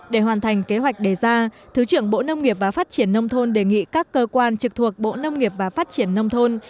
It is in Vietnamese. để hoàn thành kế hoạch đề ra thứ trưởng bộ nông nghiệp và phát triển nông thôn đề nghị các cơ quan trực thuộc bộ nông nghiệp và phát triển nông thôn